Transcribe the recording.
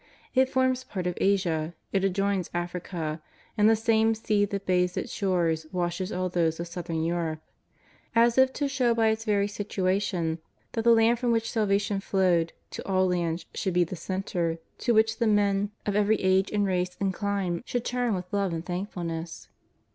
It forms part of Asia, it adjoins Africa, and the same sea that bathes its shore washes all those of southern Europe ; as if to show by its very situation that the Land from which salvation flowed to all lands should be the centre to which the men of every 109 110 JESUS OF NAZARETH. age and race and clime should turn with love and thank fulness.